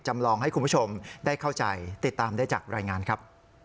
จำลองให้คุณผู้ชมได้เข้าใจติดตามได้จากรายงานครับ